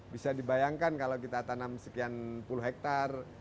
bisa dibayangkan kalau kita tanam sekian puluh hektare